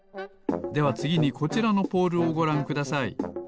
ではつぎにこちらのポールをごらんください。